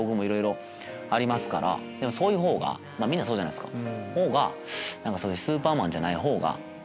でもそういう方がみんなそうじゃないっすか。